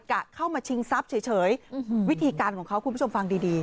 กะเข้ามาชิงทรัพย์เฉยวิธีการของเขาคุณผู้ชมฟังดีดี